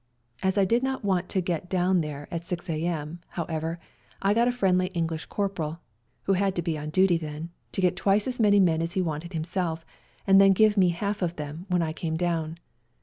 As I did not want to get down there at 6 a.m., however, I got a friendly English corporal, who had to be on duty then, to get twice as many men as he wanted himself, and then give me half of them when I came down.